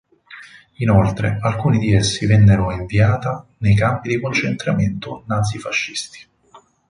Inoltre alcuni di essi vennero inviata nei campi di concentramento nazi-fascisti.